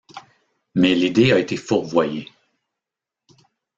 Mais l’idée a été fourvoyée.